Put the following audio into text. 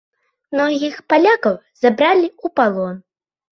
Многіх палякаў забралі ў палон.